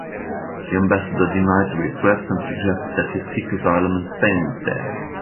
The ambassador denied the request and suggested that he seek asylum in Spain instead.